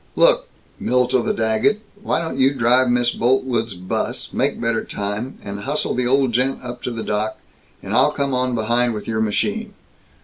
Look, Milt o' the Daggett, why don't you drive Miss Boltwood's 'bus make better time, and hustle the old gent up to the doc, and I'll come on behind with your machine."